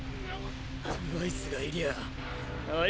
トゥワイスがいりゃあ